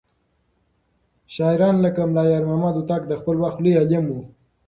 شاعران لکه ملا يارمحمد هوتک د خپل وخت لوى عالم و.